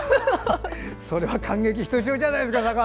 それは感激ひとしおじゃないですか。